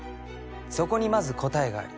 そこにまず答えがあり